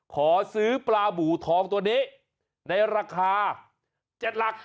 ขอซื้อปลาบูทองตัวนี้ในราคา๗หลัก